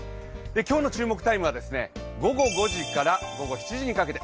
今日の注目タイムは午後５時から午後７時にかけて。